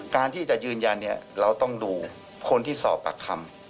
การที่จะยืนยันเราต้องดูคนที่สอบปากคำ